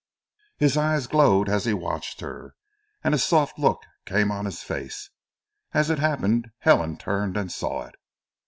His eyes glowed as he watched her, and a soft look came on his face. As it happened Helen turned and saw it.